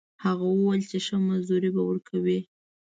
هغه وویل چې ښه مزدوري به ورکړي.